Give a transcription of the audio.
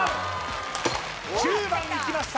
９番抜きました